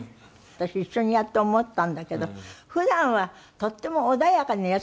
私一緒にやって思ったんだけど普段はとっても穏やかな優しい方でしたね。